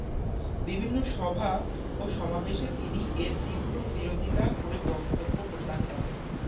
বিভিন্ন সভা ও সমাবেশে তিনি এর তীব্র বিরোধীতা করে বক্তব্য প্রদান করেন।